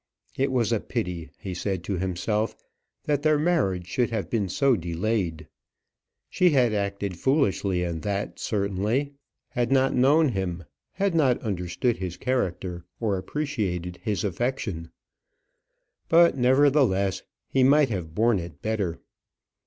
It was a pity, he said to himself, that their marriage should have been so delayed; she had acted foolishly in that, certainly, had not known him, had not understood his character, or appreciated his affection; but, nevertheless, he might have borne it better.